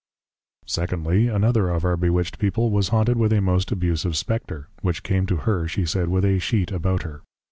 Secondly, Another of our bewitched people, was haunted with a most abusive Spectre, which came to her, she said, with a sheet about her.